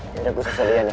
ya udah gue susul ian ya